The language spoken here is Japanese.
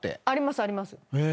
ありますあります。